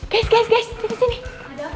guys guys guys tidak ada apa apa nih kak